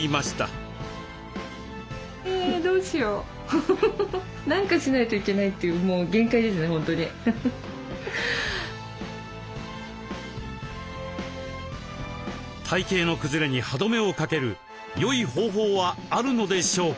体形のくずれに歯止めをかけるよい方法はあるのでしょうか。